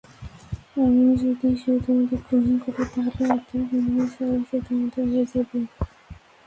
যদি সে তোমাদের গ্রহণ করে তাহলে অর্থের বিনিময় ছাড়াই সে তোমাদের হয়ে যাবে।